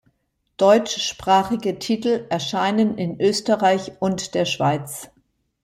Deutschsprachige Titel erscheinen in Österreich und der Schweiz.